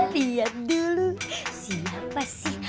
liat dulu siapa sih